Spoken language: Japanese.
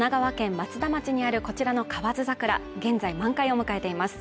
松田町にあるこちらの河津桜、現在満開を迎えています。